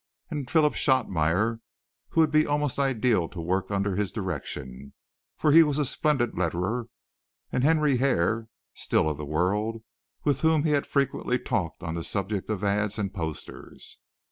and Philip Shotmeyer, who would be almost ideal to work under his direction, for he was a splendid letterer, and Henry Hare, still of the World, with whom he had frequently talked on the subject of ads and posters.